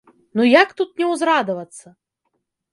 Ну як тут не ўзрадавацца.